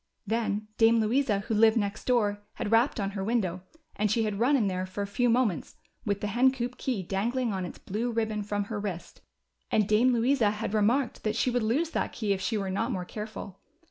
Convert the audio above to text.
Then Dame Louisa Avho lived next door had rapped on her window, and she had run in there for a few moment? with the hen coop key dangling on its blue ribbon from her wrist^ and Dame Louisa had remarked 256 THE CHILDREN'S WONDER BOOK. that she would lose that key if she were not more careful.